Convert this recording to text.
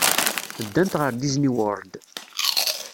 Ddant ɣer Disney World.